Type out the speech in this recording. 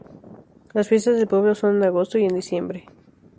Las fiestas del pueblo son en agosto y en diciembre.